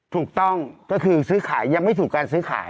ถูกต้องก็คือซื้อขายยังไม่ถูกการซื้อขาย